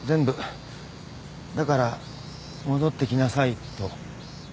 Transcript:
「だから戻ってきなさい」と。